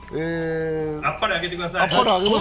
あっぱれあげてください。